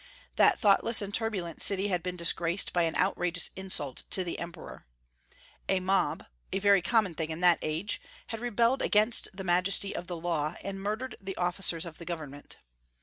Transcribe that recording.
That thoughtless and turbulent city had been disgraced by an outrageous insult to the emperor. A mob, a very common thing in that age, had rebelled against the majesty of the law, and murdered the officers of the Government.